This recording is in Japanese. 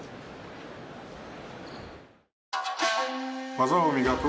「技を磨く」